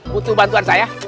butuh bantuan saya